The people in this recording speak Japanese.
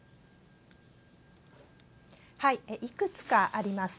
いくつかあります。